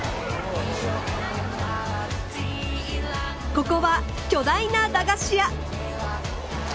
ここは巨大な駄菓子屋。